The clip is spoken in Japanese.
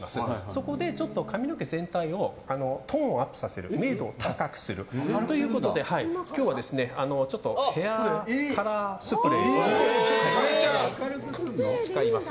そこで、ちょっと髪の毛全体をトーンをアップさせる明度を高くするということで今日はヘアカラースプレーを使います。